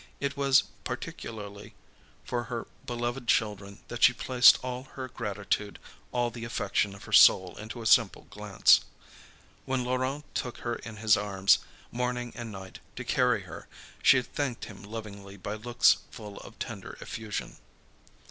It was particularly for her beloved children that she placed all her gratitude, all the affection of her soul into a simple glance. When Laurent took her in his arms, morning and night, to carry her, she thanked him lovingly by looks full of tender effusion.